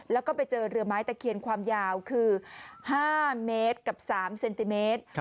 แล้วก็ไปเจอเรือไม้ตะเคียนความยาวคือ๕เมตรกับ๓เซนติเมตร